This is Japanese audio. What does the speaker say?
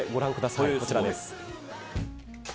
こちらです。